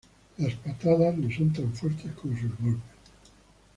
Las patadas le son tan fuertes como sus golpes.